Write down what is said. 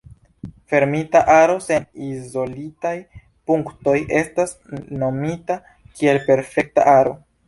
Fermita aro sen izolitaj punktoj estas nomita kiel perfekta aro.